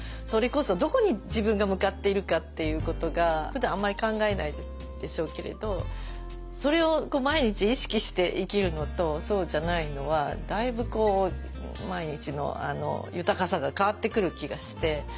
それこそどこに自分が向かっているかっていうことがふだんあんまり考えないでしょうけれどそれを毎日意識して生きるのとそうじゃないのはだいぶこう毎日の豊かさが変わってくる気がして。